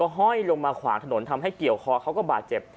ห้อยลงมาขวางถนนทำให้เกี่ยวคอเขาก็บาดเจ็บ